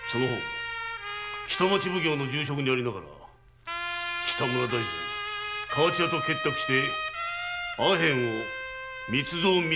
北町奉行の重職にありながら北村大膳河内屋と結託しアヘンを密造密売。